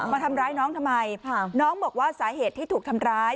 มาทำร้ายน้องทำไมน้องบอกว่าสาเหตุที่ถูกทำร้าย